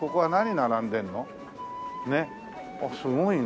あっすごいね